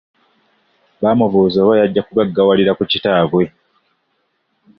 Baamubuuza oba yajja kugaggawalira ku kitaabwe.